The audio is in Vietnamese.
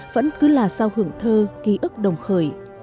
vẫn cứ là sao hưởng thơ ký ức đồng khởi